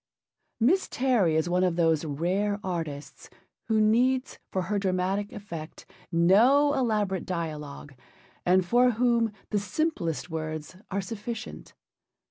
Miss Terry is one of those rare artists who needs for her dramatic effect no elaborate dialogue, and for whom the simplest words are sufficient.